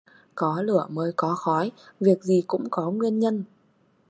Có lửa mới có khói: việc gì cũng có nguyên nhân